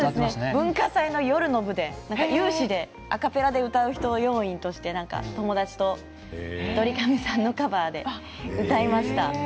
文化祭の夜の部で有志でアカペラで歌う人要員として友達とドリカムさんのカバーで歌いました。